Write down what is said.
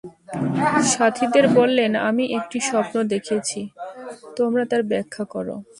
সাথীদের বললেন, আমি একটি স্বপ্ন দেখেছি তোমরা তার ব্যাখ্যা কর।